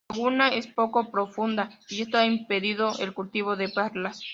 La laguna es poco profunda y esto ha impedido el cultivo de perlas.